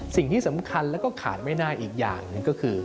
สิ่งที่สำคัญและขาดไม่ได้อีกอย่างก็คือ